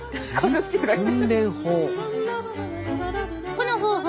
この方法